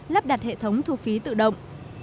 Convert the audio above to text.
lắp đặt hệ thống thu phí tự động